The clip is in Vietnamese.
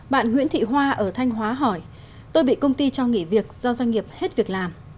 bạn nguyễn thị hoa ở thanh hóa hỏi tôi bị công ty cho nghỉ việc do doanh nghiệp hết việc làm